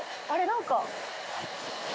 何か。